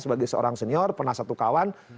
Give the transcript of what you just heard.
sebagai seorang senior pernah satu kawan